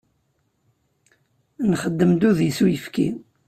Nxeddem-d udi s uyefki.